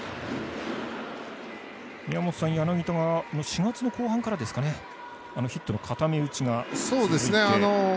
宮本さん、柳田が４月の後半からヒットの固め打ちが続いて。